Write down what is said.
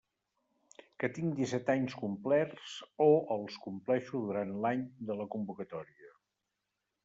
Que tinc disset anys complerts o els compleixo durant l'any de la convocatòria.